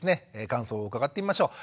感想を伺ってみましょう。